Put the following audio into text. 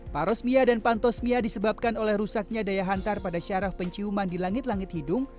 parosmia dan pantosmia disebabkan oleh rusaknya daya hantar pada syaraf penciuman di langit langit hidung